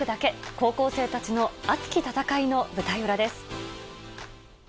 高校生たちの熱き戦いの舞台裏です。